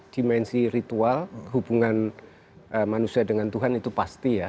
dimensi ritual hubungan manusia dengan tuhan itu pasti ya